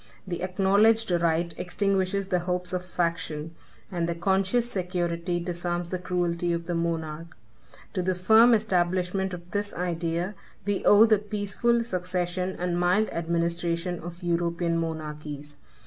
The acknowledged right extinguishes the hopes of faction, and the conscious security disarms the cruelty of the monarch. To the firm establishment of this idea we owe the peaceful succession and mild administration of European monarchies.